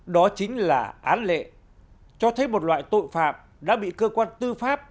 đó chính là án lệ cho thấy một loại tội phạm đã bị cơ quan tư pháp